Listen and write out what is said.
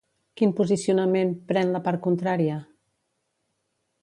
Quin posicionament pren la part contrària?